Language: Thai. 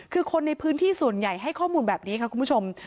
คือคนในพื้นที่ส่วนใหญ่ให้ข้อมูลแบบนี้ค่ะคุณผู้ชม